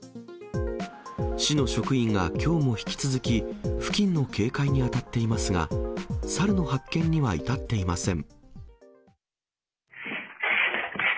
市の職員がきょうも引き続き付近の警戒に当たっていますが、サルの発見には至っていません。